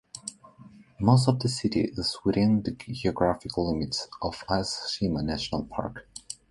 Most of the city is within the geographic limits of Ise-Shima National Park.